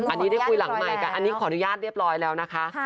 อันนี้ได้คุยหลังใหม่กันอันนี้ขออนุญาตเรียบร้อยแล้วนะคะ